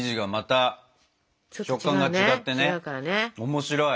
面白い。